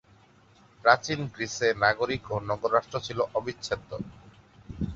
প্রাচীন গ্রীসে নাগরিক ও নগর রাষ্ট্র ছিল অবিচ্ছেদ্য।